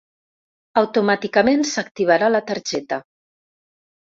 Automàticament s'activarà la targeta.